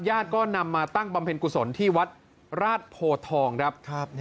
ญาติก็นำมาตั้งบำเพ็ญกุศลที่วัดราชโพทองครับ